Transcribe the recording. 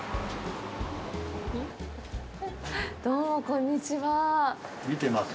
どうも、こんにちは。